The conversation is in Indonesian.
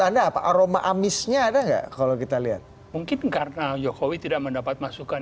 anda apa aroma amisnya ada kalau kita lihat mungkin karena jokowi tidak menempat masukkan